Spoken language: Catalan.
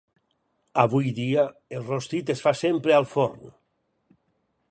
Avui dia el rostit es fa sempre al forn.